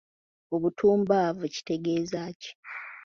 Obutumbavu kitegeeza ki?